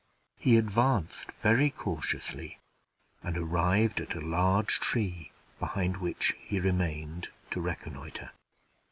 He advanced very cautiously, and arrived at a large tree, behind which he remained to reconnoiter.